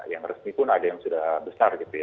yang resmi pun ada yang sudah besar gitu ya